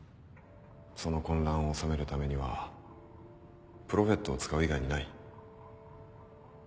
その混乱を収めるためにはプロフェットを使う以外にない。